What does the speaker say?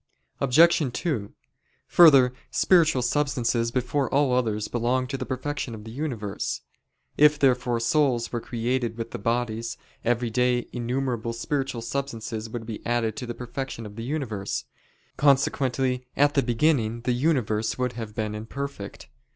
Obj. 2: Further, spiritual substances before all others belong to the perfection of the universe. If therefore souls were created with the bodies, every day innumerable spiritual substances would be added to the perfection of the universe: consequently at the beginning the universe would have been imperfect.